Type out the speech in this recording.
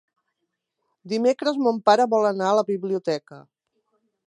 Dimecres mon pare vol anar a la biblioteca.